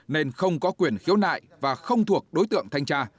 nên không có quyền khiếu nại và không thuộc đối tượng thanh tra